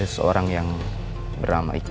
dari seorang yang bernama iqbal